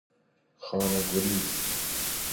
خانه گریز